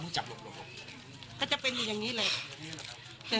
คือจะเป็นอย่างงี้เลย